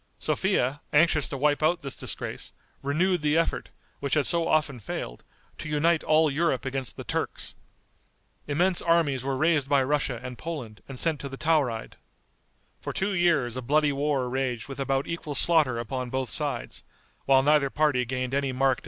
Sophia, anxious to wipe out this disgrace, renewed the effort, which had so often failed, to unite all Europe against the Turks. Immense armies were raised by Russia and Poland and sent to the Tauride. For two years a bloody war raged with about equal slaughter upon both sides, while neither party gained any marked advantage.